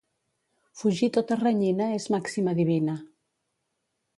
Fugir tota renyina és màxima divina.